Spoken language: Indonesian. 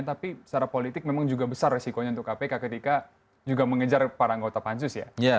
tapi secara politik memang juga besar resikonya untuk kpk ketika juga mengejar para anggota pansus ya